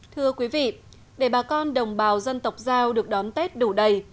thưa quý vị để bà con đồng bào dân tộc giao được đón tết đủ đầy